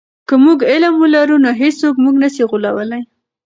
که موږ علم ولرو نو هیڅوک موږ نه سی غولولی.